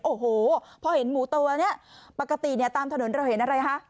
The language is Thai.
โอ้โหพอเห็นหมูตัวนี้ปกติเนี่ยตามถนนเราเห็นอะไรคะ